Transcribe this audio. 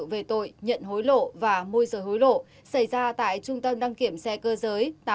về tội nhận hối lộ và môi giờ hối lộ xảy ra tại trung tâm đăng kiểm xe cơ giới